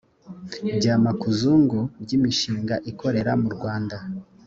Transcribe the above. bya makuzungu by’imishinga ikorera mu rwanda